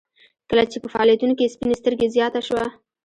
کله چې په فعالیتونو کې سپین سترګي زیاته شوه